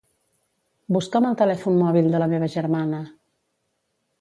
Busca'm el telèfon mòbil de la meva germana.